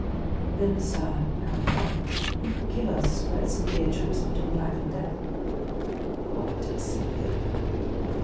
"Then, sir," I went on, "you give us, quite simply, a choice between life and death?" "Quite simply."